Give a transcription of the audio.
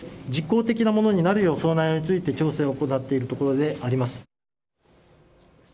実効的なものになるようその内容について調整を行っているところであります。